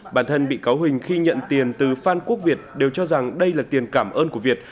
bản thân bị cáo huỳnh khi nhận tiền từ phan quốc việt đều cho rằng đây là tiền cảm ơn của việt